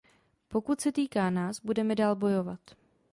Pokud se týká nás, budeme dál bojovat.